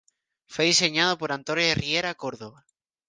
Fue diseñado por Antonia Riera Córdoba.